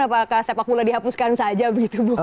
apakah sepak bola dihapuskan saja begitu bu